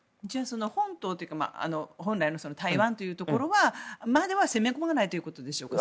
本島というか本来の台湾というところは攻め込まないということでしょうか。